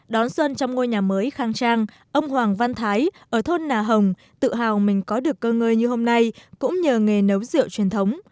đón xuân trong ngôi nhà mới khang trang ông hoàng văn thái ở thôn nà hồng tự hào mình có được cơ ngơi như hôm nay cũng nhờ nghề nấu rượu truyền thống